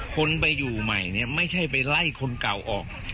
คนไปอยู่ใหม่เนี่ยไม่ใช่ไปไล่คนเก่าออก